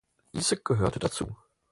Diese gehörte dazu.